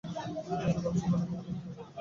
আমি কাল সকালেই দাম দিয়ে যাব।